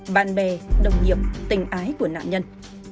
bạn bè đồng nghiệp tình ái của nạn nhân